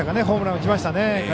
ホームラン打ちましたね。